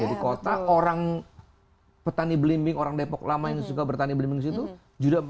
jadi kota orang petani belimbing orang depok lama yang suka bertani belimbing di situ